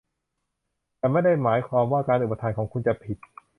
ฉันไม่ได้ความว่าการอุปทานของคุณจะผิด